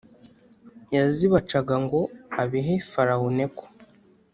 Yazibacaga ngo abihe farawo neko